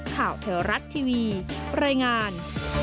ข่าวแถวรัฐทีวีรายงาน